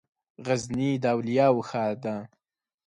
غزني د اولياوو ښار ده